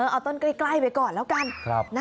เอาต้นใกล้ไปก่อนแล้วกัน